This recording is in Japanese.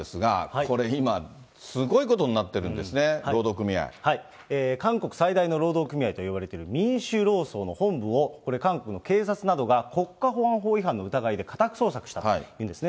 これ、今、すごいことになってる韓国最大の労働組合といわれている民主労総の本部をこれ、韓国の警察などが国家保安法違反の疑いで家宅捜索したというんですね。